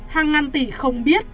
hàng ngàn tỷ không biết